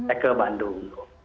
eh ke bandung